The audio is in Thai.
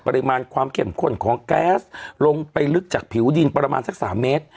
ปริมาณความเข้มข้นของแก๊สลงไปลึกจากผิวดินประมาณสัก๓เมตร